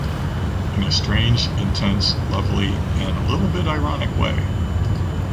In a strange, intense, lovely and a little bit ironic way.